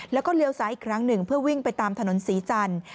แล้วก็เลี้ยวซ้ายอีกครั้งหนึ่งเพื่อวิ่งไปตามถนนศรีจันทร์